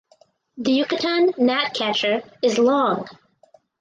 The Yucatan gnatcatcher is long.